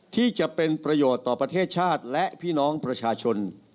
ที่จะเป็นประโยชน์ต่อประเทศชาติและพี่น้องประชาชน